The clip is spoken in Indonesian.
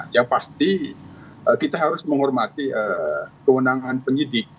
yang pasti kita harus menghormati kewenangan penyidik